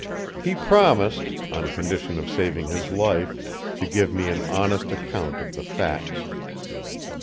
He promised, on condition of saving his life, to give me an honest account of the facts.